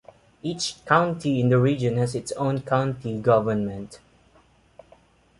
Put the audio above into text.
Each county in the region has its own county government.